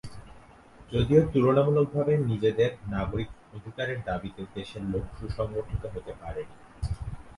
যদিও তুলনামূলকভাবে নিজেদের নাগরিক অধিকারের দাবিতে দেশের লোক সুসংগঠিত হতে পারেনি।